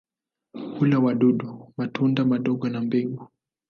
Hula wadudu, matunda madogo na mbegu.